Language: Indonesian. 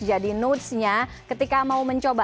jadi notes nya ketika mau mencoba